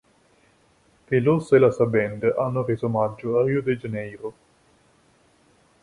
Veloso e la sua band hanno reso omaggio a Rio de Janeiro.